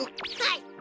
はい！